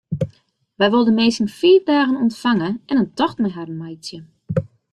Wy wolle de minsken fiif dagen ûntfange en in tocht mei harren meitsje.